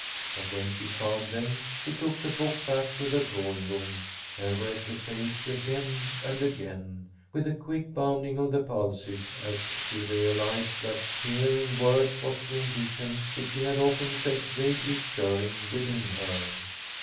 But when she found them, she took the book back to the drawing room, and read the page again and again, with a quick bounding of the pulses as she realized that here in words was the ambition which she had often felt vaguely stirring within her.